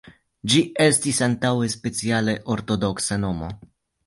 Ĝi estis antaŭe speciale ortodoksa nomo.